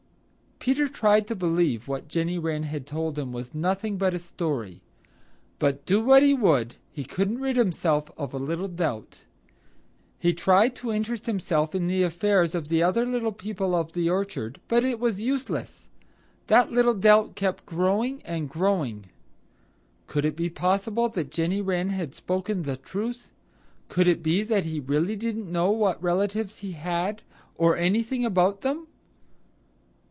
Peter tried to believe that what Jenny Wren had told him was nothing but a story, but do what he would, he couldn't rid himself of a little doubt. He tried to interest himself in the affairs of the other little people of Old Orchard, but it was useless. That little doubt kept growing and growing. Could it be possible that Jenny Wren had spoken the truth? Could it be that he really didn't know what relatives he had or anything about them?